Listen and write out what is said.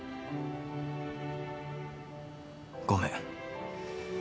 ごめん。